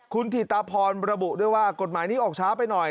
คุณถิตพรระบุด้วยว่ากฎหมายนี้ออกช้าไปหน่อย